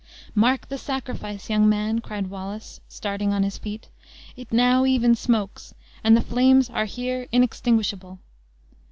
Mark the sacrifice, young man," cried Wallace, starting on his feet; "it now even smokes, and the flames are here inextinguishable."